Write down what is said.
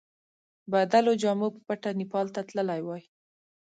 بدلو جامو په پټه نیپال ته تللی وای.